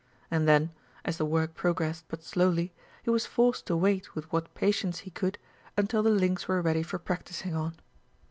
And then, as the work progressed but slowly, he was forced to wait with what patience he could until the links were ready for practising on.